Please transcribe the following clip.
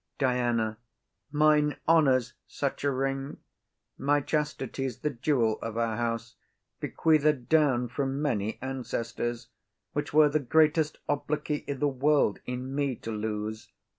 DIANA. Mine honour's such a ring; My chastity's the jewel of our house, Bequeathed down from many ancestors, Which were the greatest obloquy i' the world In me to lose.